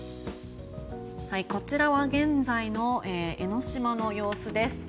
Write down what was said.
こちらは現在の江の島の様子です。